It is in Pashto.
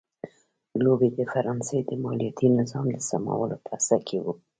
لويي د فرانسې د مالیاتي نظام د سمولو په هڅه کې و.